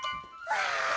わあ！